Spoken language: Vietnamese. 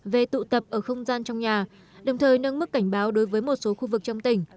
về tụ tập ở không gian trong nhà đồng thời nâng mức cảnh báo đối với một số khu vực trong tỉnh